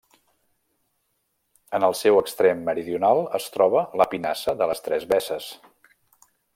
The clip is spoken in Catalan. En el seu extrem meridional es troba la Pinassa de les Tres Besses.